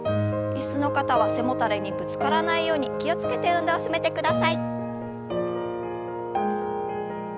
椅子の方は背もたれにぶつからないように気を付けて運動を進めてください。